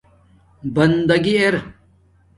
بنداگی اِر